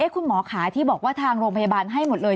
คุณหมอขาที่บอกว่าทางโรงพยาบาลให้หมดเลย